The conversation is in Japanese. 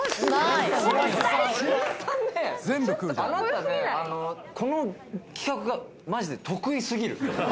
白洲さん、この企画がマジで得意すぎる。